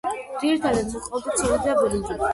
ძირითადათ მოჰყავდათ სიმინდი და ბრინჯი.